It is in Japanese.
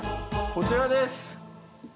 こちらです。